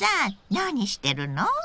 何してるの？